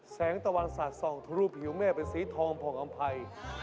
แสงตะวันสาดส่องทะรูปผิวแม่เป็นสีทองผ่องอำภัย